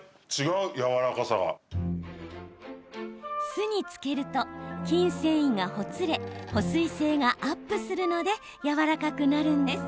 酢に漬けると筋繊維がほぐれ保水性がアップするのでやわらかくなるんです。